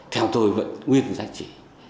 theo tôi vẫn nguyên giá trị